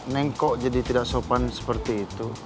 neng kok jadi tidak sopan seperti itu